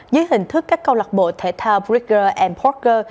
dưới hình thức các câu lạc bộ thể thao brigger porker